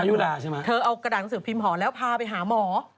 ยุลาใช่ไหมเธอเอากระดาษหนังสือพิมพ์หอแล้วพาไปหาหมอ